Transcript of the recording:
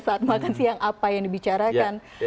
saat makan siang apa yang dibicarakan